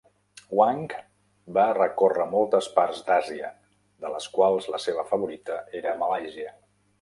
Huang va recórrer moltes parts d'Àsia, de les quals la seva favorita era Malàisia.